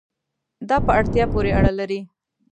دا په اړتیا پورې اړه لري